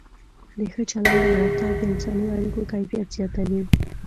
د ښه چلند او رفتار د انساني اړیکو کیفیت زیاتوي.